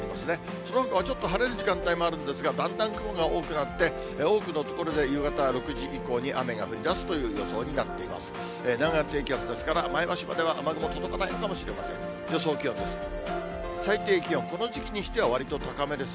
そのほかはちょっと晴れる時間帯もあるんですが、だんだん雲が多くなって、多くの所で夕方６時以降に雨が降りだすという予想になっています。